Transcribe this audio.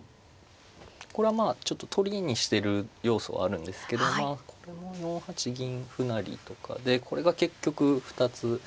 これはまあちょっと取りにしてる要素はあるんですけどまあこれは４八銀不成とかでこれが結局２つ狙いに残って。